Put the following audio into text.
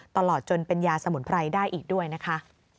ตลอดจนเป็นยาสมุนไพรได้อีกด้วยนะคะ